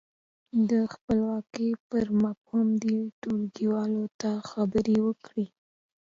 د خپلواکۍ پر مفهوم دې ټولګیوالو ته خبرې وکړي.